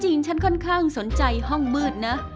จริงฉันค่อนข้างสนใจห้องมืดนะ